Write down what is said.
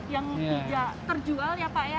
yang tidak terjual ya pak ya